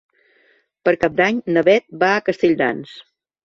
Per Cap d'Any na Beth va a Castelldans.